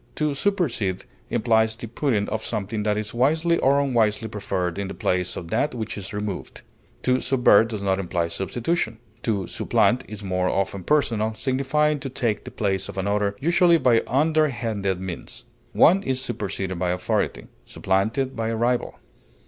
To supersede implies the putting of something that is wisely or unwisely preferred in the place of that which is removed; to subvert does not imply substitution. To supplant is more often personal, signifying to take the place of another, usually by underhanded means; one is superseded by authority, supplanted by a rival.